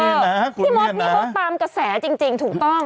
พี่มดนี่เขาตามกระแสจริงถูกต้อง